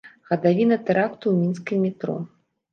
Гадавіна тэракту ў мінскім метро.